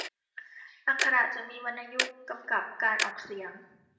อักขระจะมีวรรณยุกต์กำกับการออกเสียง